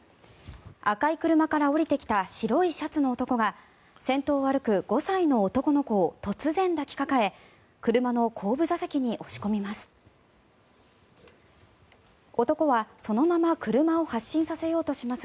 赤い車から降りてきた白いシャツの男が先頭を歩く５歳の男の子を突然抱きかかえ車の後部座席に押し込みます。